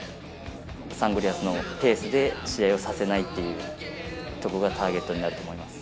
サンゴリアスのペースで試合をさせないっていうところが、ターゲットになると思います。